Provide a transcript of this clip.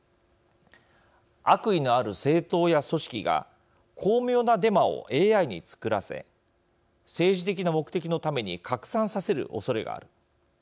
悪意のある政党や組織が巧妙なデマをＡＩに作らせ政治的な目的のために拡散させるおそれがある。